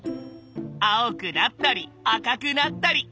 青くなったり赤くなったり。